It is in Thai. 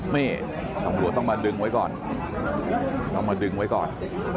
นี่ตำรวจต้องมาดึงไว้ก่อนต้องมาดึงไว้ก่อน